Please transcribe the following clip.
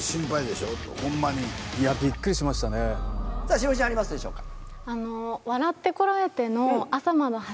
栞里ちゃんありますでしょうか？